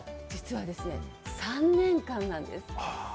実はですね、３年間なんです。